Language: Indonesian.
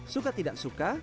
suka tidak suka